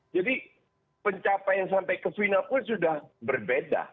jadi pencapaian sampai ke final pun sudah berbeda